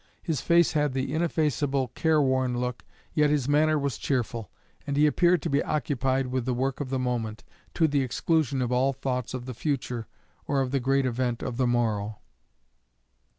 His face had the ineffaceable care worn look, yet his manner was cheerful, and he appeared to be occupied with the work of the moment, to the exclusion of all thoughts of the future or of the great event of the morrow.